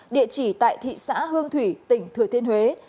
địa chỉ tại thị xã hương thủy tỉnh thừa thiên huế